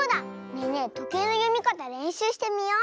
ねえねえとけいのよみかたれんしゅうしてみよう！